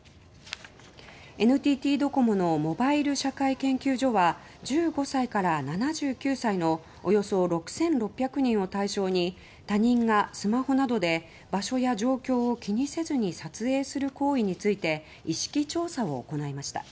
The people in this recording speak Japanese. ＮＴＴドコモのモバイル社会研究所は１５歳から７９歳のおよそ６６００人を対象に他人がスマホなどで場所や状況を気にせずに撮影する行為について意識調査を行いました。